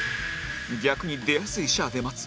逆に出やすい西で待つ